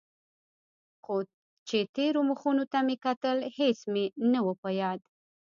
خو چې تېرو مخونو ته مې کتل هېڅ مې نه و په ياد.